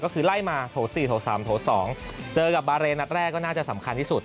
ก็คือไล่มาโทสต์สี่โทสต์สามโทสต์สองเจอกับบาร์เรนนัดแรกก็น่าจะสำคัญที่สุด